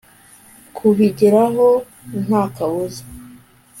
kubigeraho ntakabuza